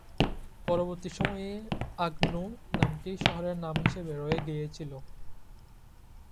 পরবর্তী সময়ে, "আগনো" নামটি শহরের নাম হিসেবে রয়ে গিয়েছিল।